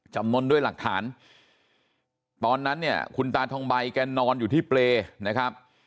จำนวนด้วยหลักฐานตอนนั้นเนี่ยคุณตาทองใบแกนอนอยู่ที่เปรย์นะครับ